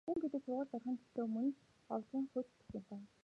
Хүн гэдэг сургуульд орохын төлөө мөн ч овжин хөөцөлдөх юм.